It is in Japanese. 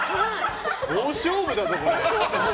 大勝負だぞ、これ。